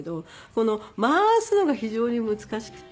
この回すのが非常に難しくて。